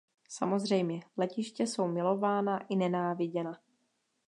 Samozřejmě, letiště jsou milována i nenáviděna.